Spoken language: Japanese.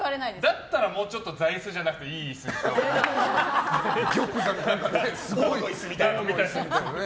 だったら、もうちょっと座椅子じゃなくていい椅子にしたほうがいいよね。